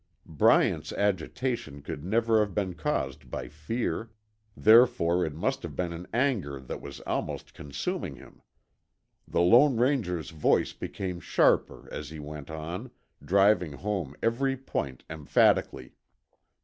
Bryant's agitation could never have been caused by fear; therefore it must have been an anger that was almost consuming him. The Lone Ranger's voice became sharper as he went on, driving home every point emphatically.